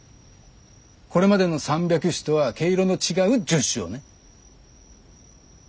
これまでの３００首とは毛色の違う１０首をね。